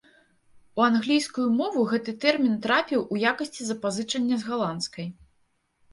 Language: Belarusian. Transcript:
У англійскую мову гэты тэрмін трапіў у якасці запазычання з галандскай.